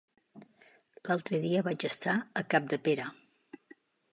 L'altre dia vaig estar a Capdepera.